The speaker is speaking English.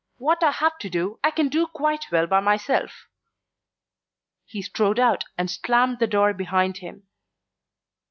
What I have to do, I can do quite well by myself." He strode out and slammed the door behind him.